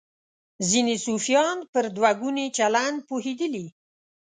ځینې صوفیان پر دوه ګوني چلند پوهېدلي.